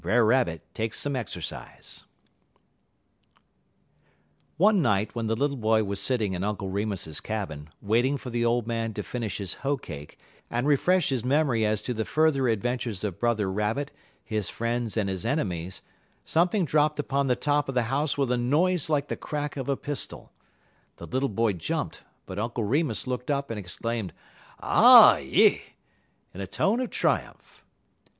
XX BRER RABBIT TAKES SOME EXERCISE One night while the little boy was sitting in Uncle Remus's cabin, waiting for the old man to finish his hoe cake, and refresh his memory as to the further adventures of Brother Rabbit, his friends and his enemies, something dropped upon the top of the house with a noise like the crack of a pistol. The little boy jumped, but Uncle Remus looked up and exclaimed, "Ah yi!" in a tone of triumph.